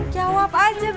jawab aja bang